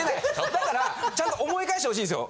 だからちゃんと思い返してほしいんですよ。